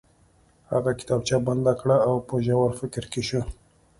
هغه کتابچه بنده کړه او په ژور فکر کې شو